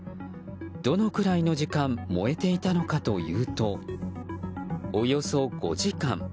どのくらいの時間燃えていたのかというとおよそ５時間。